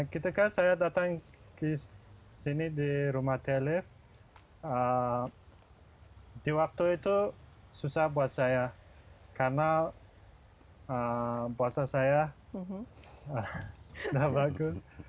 ketika saya datang ke sini di rumah teh lift di waktu itu susah buat saya karena puasa saya tidak bagus